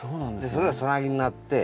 それがサナギになって。